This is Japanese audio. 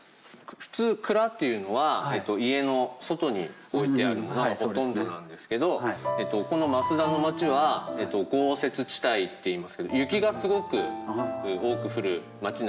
普通蔵っていうのは家の外に置いてあるのがほとんどなんですけどこの増田の町は豪雪地帯っていいますけど雪がすごく多く降る町なんですよね。